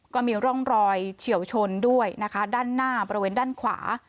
ก็มีร่องรอยเฉียวชนด้วยนะคะด้านหน้าบริเวณด้านขวา